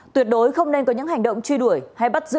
tuyệt đối không nên có những hành động truy đuổi hay bắt giữ